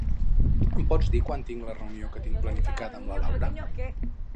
Em pots dir quan tinc la reunió que tinc planificada amb la Laura?